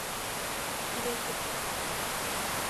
Desde ca.